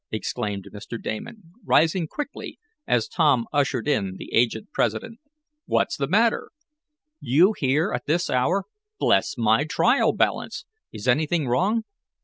exclaimed Mr. Damon, rising quickly as Tom ushered in the aged president. "Whatever is the matter? You here at this hour? Bless my trial balance! Is anything wrong?